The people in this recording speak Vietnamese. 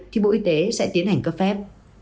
thì bộ y tế sẽ tiến hành cấp phép